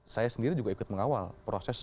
saya sendiri juga ikut mengawal proses